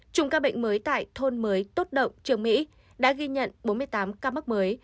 chùm ca bệnh mới tại thôn mới tốt động trường mỹ đã ghi nhận bốn mươi tám ca mắc mới